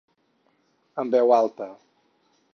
Amb veu alta.